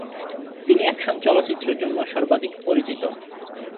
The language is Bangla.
তিনি অ্যাকশন চলচ্চিত্রের জন্য সর্বাধিক পরিচিত।